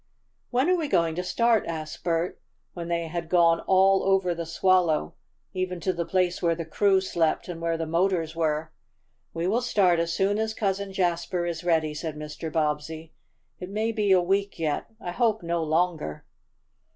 "When are we going to start?" asked Bert, when they had gone all over the Swallow, even to the place where the crew slept and where the motors were. "We will start as soon as Cousin Jasper is ready," said Mr. Bobbsey. "It may be a week yet, I hope no longer."